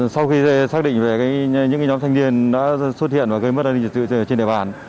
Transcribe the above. sau khi xác định về những nhóm thanh niên đã xuất hiện và gây mất an ninh trật tự trên địa bàn